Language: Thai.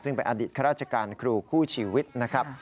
ซึ่งเป็นอดีตข้าราชการครูคู่ชีวิตนะครับ